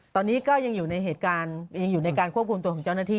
ตอนนี้ก็ยังอยู่ในการควบคุมตัวของเจ้าหน้าที่